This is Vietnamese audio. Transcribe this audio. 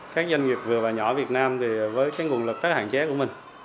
các doanh nghiệp vừa và nhỏ việt nam thì với nguồn lực rất là hạn chế của mình